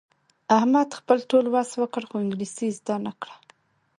احمد خپل ټول وس وکړ، خو انګلیسي یې زده نه کړله.